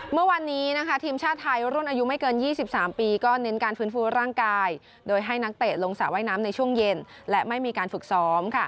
เมื่อวานนี้ทีมชาติไทยรุ่นอายุไม่เกิน๒๓ปีก็เน้นการฟื้นฟูร่างกายโดยให้นักเตะลงสระว่ายน้ำในช่วงเย็นและไม่มีการฝึกซ้อม